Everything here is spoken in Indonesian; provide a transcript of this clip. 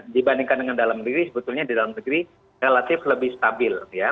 dibandingkan dengan dalam diri sebetulnya di dalam negeri relatif lebih stabil ya